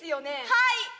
はい。